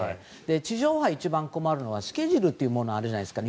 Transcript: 地上波、一番困るのはスケジュールがあるじゃないですか。